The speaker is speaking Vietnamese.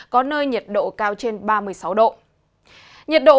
có nơi nhiệt độ cao trên ba mươi sáu độ